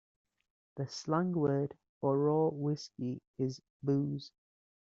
The slang word for raw whiskey is booze.